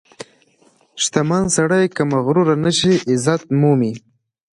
• شتمن سړی که مغرور نشي، عزت مومي.